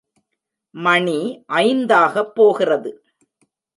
மணி ஐந்தாகப் போகிறது.